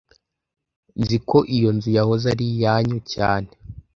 Nzi ko iyi nzu yahoze ari iyanyu cyane